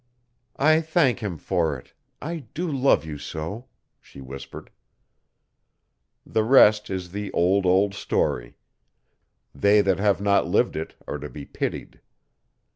'I thank Him for it I do love you so,' she whispered. The rest is the old, old story. They that have not lived it are to be pitied.